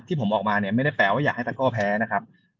ผมออกมาเนี่ยไม่ได้แปลว่าอยากให้ตะโก้แพ้นะครับ